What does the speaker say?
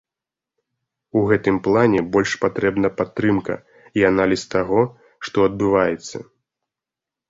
У гэтым плане больш патрэбна падтрымка і аналіз таго, што адбываецца.